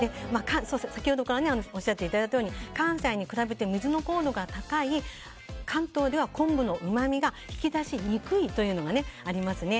先ほどからおっしゃっていただいたように関西に比べて水の硬度が高い関東では昆布のうまみが引き出しにくいというのがありますね。